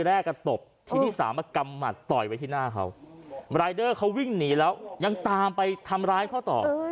รายเดอร์เค้าวิ่งหนีแล้วยังตามไปทำร้ายเค้าต่อ